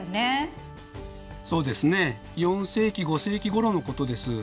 そうですね４世紀５世紀ごろのことです。